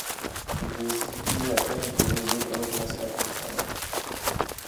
On peut aussi diminuer la taille du réseau et recommencer l'apprentissage.